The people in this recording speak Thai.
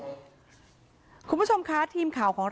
เพราะไม่เคยถามลูกสาวนะว่าไปทำธุรกิจแบบไหนอะไรยังไง